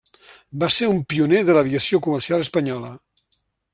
Va ser un pioner de l'aviació comercial espanyola.